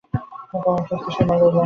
তাঁর অস্বস্তির সীমা রইল না।